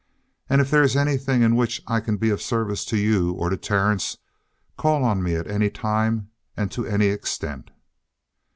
And if there is anything in which I can be of service to you or to Terence, call on me at any time and to any extent."